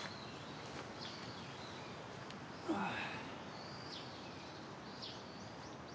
ああ。